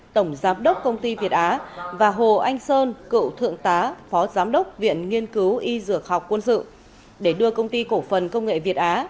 tổng giám đốc công ty việt á và hồ anh sơn cựu thượng tá phó giám đốc viện nghiên cứu y dược học quân sự để đưa công ty cổ phần công nghệ việt á